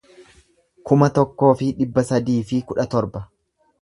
kuma tokkoo fi dhibba sadii fi kudha torba